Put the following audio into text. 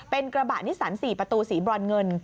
เป็นกระบะนิสัน๔ประตูสีบรอนเงิน